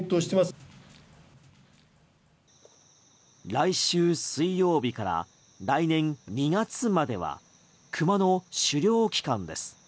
来週水曜日から来年２月まではクマの狩猟期間です。